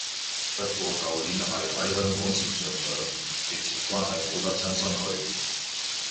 不過舊年係喺香港線上上，疫情關係冇得親身去